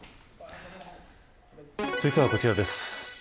続いてはこちらです。